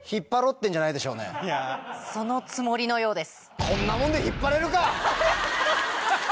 そのつもりのようです。